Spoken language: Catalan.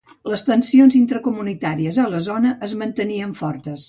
Les tensions intracomunitàries a la zona es mantenien fortes.